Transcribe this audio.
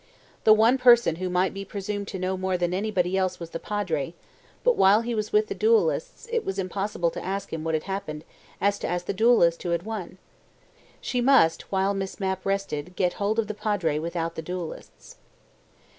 The one person who might be presumed to know more than anybody else was the Padre, but while he was with the duellists, it was as impossible to ask him what had happened as to ask the duellists who had won. She must, while Miss Mapp rested, get hold of the Padre without the duellists.